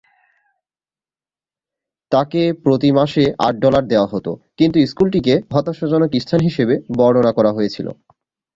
তাকে প্রতি মাসে আট ডলার দেওয়া হতো, কিন্তু স্কুলটিকে "হতাশাজনক স্থান" হিসেবে বর্ণনা করা হয়েছিল।